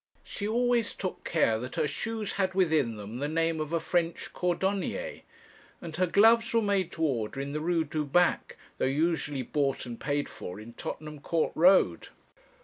She always took care that her shoes had within them the name of a French cordonnier; and her gloves were made to order in the Rue Du Bac, though usually bought and paid for in Tottenham Court Road."